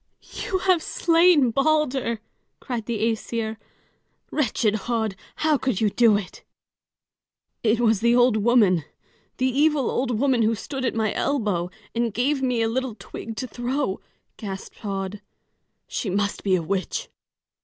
"You have slain Balder!" cried the Æsir. "Wretched Höd, how could you do it?" "It was the old woman the evil old woman, who stood at my elbow and gave me a little twig to throw," gasped Höd. "She must be a witch."